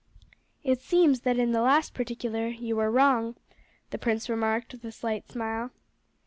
"It seems that in the last particular you were wrong," the prince remarked with a slight smile.